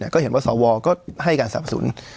ก็เห็นว่าสอวอลก็ให้การสรรพสุน